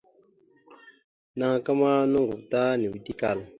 Naaka ma nòŋgov ta nʉʉde kal.